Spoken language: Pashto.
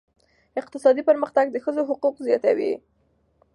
اقتصادي پرمختګ د ښځو حقوق زیاتوي.